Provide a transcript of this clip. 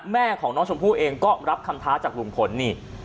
แม่ของน้องชมพู่เองก็รับคำท้าจากลุงพลนี่